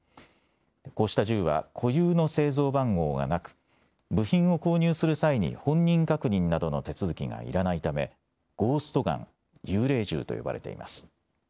こうした銃は固有の製造番号がなく部品を購入する際に本人確認などの手続きがいらないためゴースト・ガン・幽霊銃と呼ばれています。